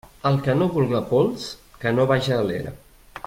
El que no vulga pols, que no vaja a l'era.